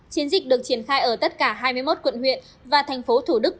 chiến dịch được triển khai ở tất cả hai mươi một quận huyện và tp thủ đức